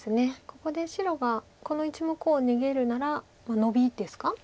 ここで白がこの１目を逃げるならノビですか？